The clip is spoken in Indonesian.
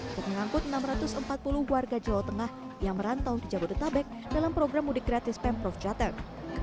untuk mengangkut enam ratus empat puluh warga jawa tengah yang merantau di jabodetabek dalam program mudik gratis pemprov jateng